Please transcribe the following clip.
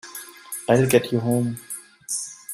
I'll get you home.